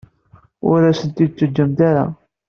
Ur asen-tt-id-teǧǧamt ara.